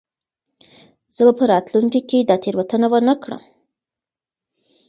زه به په راتلونکې کې دا تېروتنه ونه کړم.